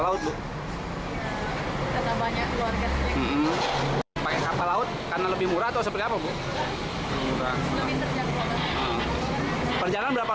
laut bu kata banyak keluarga sendiri pakai kapal laut karena lebih murah atau seperti apa bu perjalanan berapa